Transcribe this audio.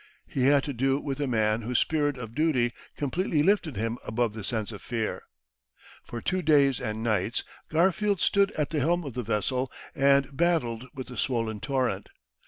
He had to do with a man whose spirit of duty completely lifted him above the sense of fear. For two days and nights Garfield stood at the helm of the vessel, and battled with the swollen torrent.